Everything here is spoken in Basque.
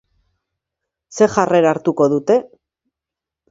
Zer jarrera hartuko dute?